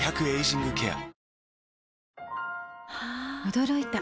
驚いた。